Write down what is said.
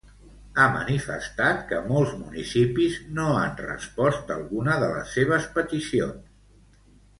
Ha manifestat que molts municipis no han respost alguna de les seves peticions.